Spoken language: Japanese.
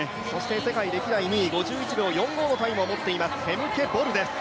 世界歴代２位のタイムを持っています、フェムケ・ボルです。